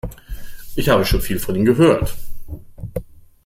Ich habe schon viel von Ihnen gehört.